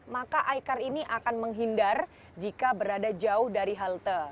maka icar ini akan menghindar jika berada jauh dari halte